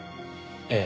ええ。